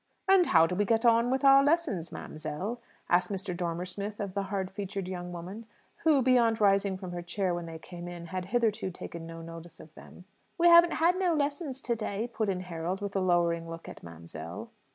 "And how do we get on with our lessons, ma'amselle?" asked Mr. Dormer Smith of the hard featured young woman, who, beyond rising from her chair when they came in, had hitherto taken no notice of them. "We haven't had no lessons to day," put in Harold, with a lowering look at "ma'amselle."